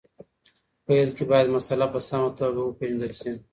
پیل کي باید مسله په سمه توګه وپېژندل سي.